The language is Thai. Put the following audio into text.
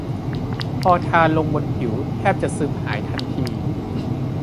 พอทาลงบนผิวแทบจะซึมหายทันที